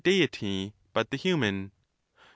Deity, but the human ?